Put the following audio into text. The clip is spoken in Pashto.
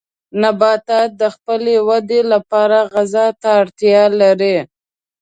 نباتات د خپلې ودې لپاره غذا ته اړتیا لري.